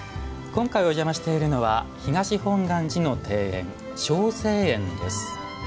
今回、お邪魔しているのは東本願寺の庭園渉成園です。